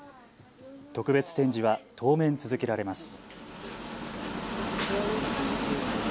特別展示は当面続けられます。